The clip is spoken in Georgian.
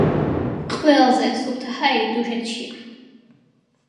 ყველაზე სუფთა ჰაერი დუშეთშია.